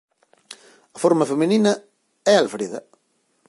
A forma feminina é Alfreda.